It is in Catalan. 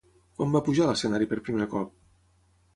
Quan va pujar a l'escenari per primer cop?